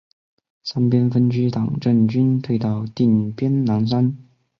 三边分区党政军退到定边南山。